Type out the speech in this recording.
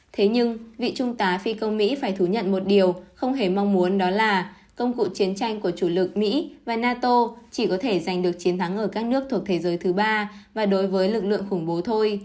thế nhưng vị trung tá phi công mỹ phải thừa nhận một điều không hề mong muốn đó là công cụ chiến tranh của chủ lực mỹ và nato chỉ có thể giành được chiến thắng ở các nước thuộc thế giới thứ ba và đối với lực lượng khủng bố thôi